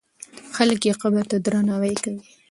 خلک یې قبر ته درناوی کوي.